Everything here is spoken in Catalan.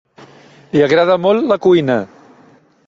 Li agrada molt la cuina.